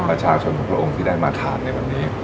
กับประชาชนของพระองค์ที่มาถ่านในวันนี้